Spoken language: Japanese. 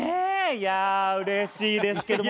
いやあうれしいですけども。